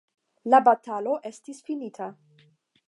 La batalo estis finita.